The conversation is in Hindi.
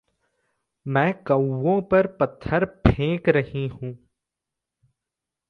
मैं कौवों पर पत्थर फेंक रही हूँ।